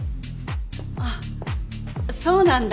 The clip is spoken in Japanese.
あっそうなんだ。